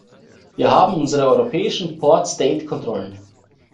Wir haben unsere europäischen port state Kontrollen.